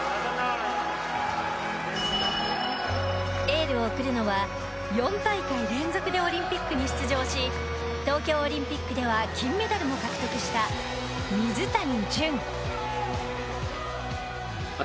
エールを送るのは４大会連続でオリンピックに出場し東京オリンピックでは金メダルも獲得した、水谷隼。